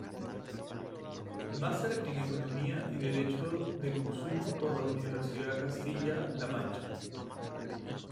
Máster en Economía y Derecho de Consumo por la Universidad de Castilla-La Mancha.